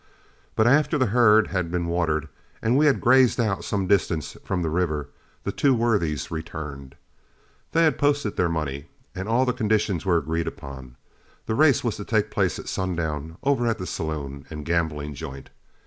But after the herd had been watered and we had grazed out some distance from the river, the two worthies returned. They had posted their money, and all the conditions were agreed upon; the race was to take place at sundown over at the saloon and gambling joint.